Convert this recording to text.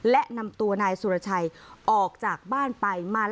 และนำตัวนายสุรชัยออกจากบ้านไป